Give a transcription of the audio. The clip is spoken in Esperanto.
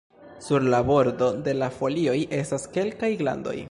Sur la bordo de la folioj estas kelkaj glandoj.